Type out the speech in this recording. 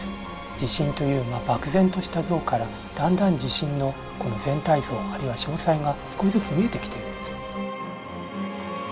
地震という漠然とした像からだんだん地震の全体像あるいは詳細が少しずつ見えてきているんです。